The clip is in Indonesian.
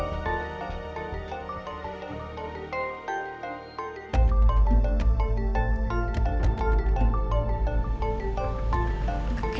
tante sarah telpon